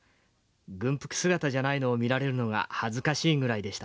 軍服姿じゃないのを見られるのが恥ずかしいぐらいでした。